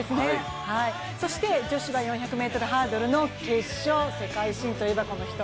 女子は４００ｍハードルの決勝、世界新といえば、この人。